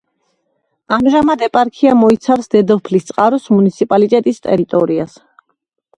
ამჟამად ეპარქია მოიცავს დედოფლისწყაროს მუნიციპალიტეტის ტერიტორიას.